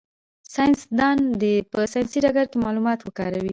ساینس دان دي په ساینسي ډګر کي معلومات وکاروي.